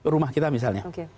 rumah kita misalnya